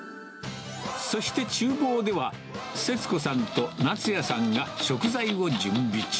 そして、ちゅう房では、設子さんと夏也さんが食材を準備中。